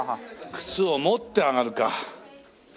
靴を持って上がるか。